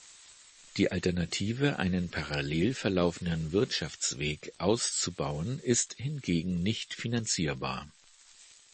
Die Alternative einen parallel verlaufenden Wirtschaftsweg auszubauen ist hingegen nicht finanzierbar.